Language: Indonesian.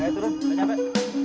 ayo turun udah capek